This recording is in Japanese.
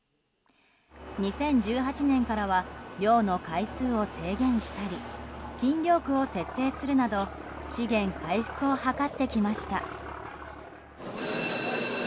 ２０１８年からは漁の回数を制限したり禁漁区を設定するなど資源回復を図ってきました。